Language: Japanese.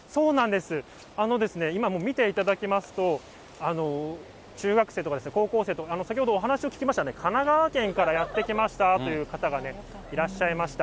今、もう見ていただきますと、中学生とか高校生とか、先ほどお話を聞きましたらね、神奈川県からやって来ましたという方がいらっしゃいました。